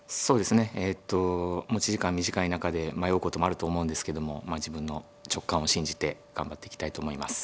短い中で迷うこともあると思うんですけども自分の直感を信じて頑張っていきたいと思います。